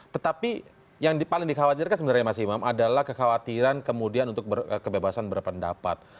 tetapi yang paling dikhawatirkan sebenarnya mas imam adalah kekhawatiran kemudian untuk kebebasan berpendapat